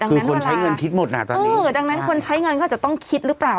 คือคนใช้เงินคิดหมดน่ะตอนนั้นเออดังนั้นคนใช้เงินก็อาจจะต้องคิดหรือเปล่า